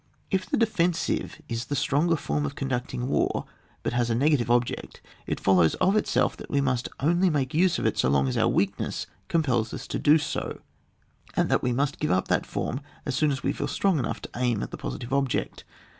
If the defensive is llie stronger form of conducting war, but has a negative object, it follows of itself that we must only make use of it so long as our weak ness compels us to do so, and that we must give up that form as soon as we feel strong enough to aim at the positive object.